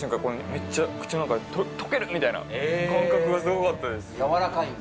めっちゃ口の中で溶けるみたいな感覚がすごかったです・やわらかいんだ？